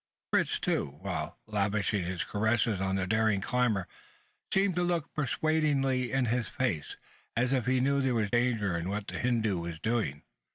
Fritz, too, while lavishing his caresses on the daring climber, seemed to look persuadingly into his face as if he knew there was danger in what the Hindoo was doing.